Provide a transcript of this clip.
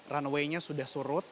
runwaynya sudah surut